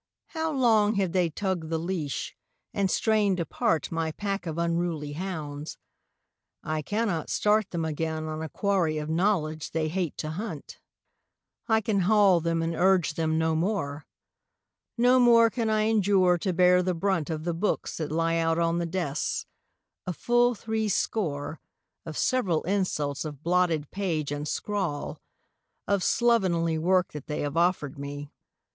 How long have they tugged the leash, and strained apart My pack of unruly hounds: I cannot start Them again on a quarry of knowledge they hate to hunt, I can haul them and urge them no more. No more can I endure to bear the brunt Of the books that lie out on the desks: a full three score Of several insults of blotted page and scrawl Of slovenly work that they have offered me.